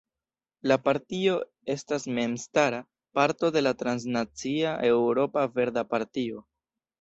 La partio estas memstara parto de la transnacia Eŭropa Verda Partio.